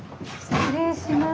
失礼します。